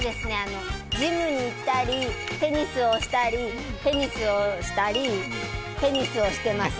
ジムに行ったりテニスをしたりテニスをしたりテニスをしてます。